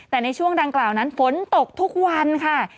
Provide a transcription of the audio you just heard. แต่ในช่วงดังกล่าวนั้นฝนตกทุกวันค่ะ